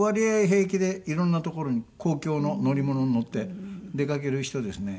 平気でいろんな所に公共の乗り物に乗って出かける人ですね。